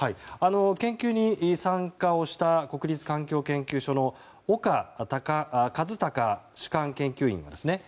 研究に参加した国立環境研究所の岡和孝主幹研究員ですね。